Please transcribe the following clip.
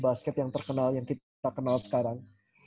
basket yang terkenal yang kita kenal sekarang